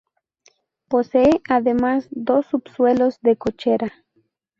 Posee además dos subsuelos de cochera.